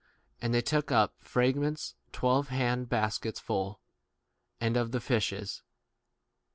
And they took up of frag ments twelve hand baskets full, 44 and of the fishes.